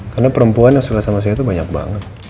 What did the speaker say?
karena perempuan yang suka sama saya tuh banyak banget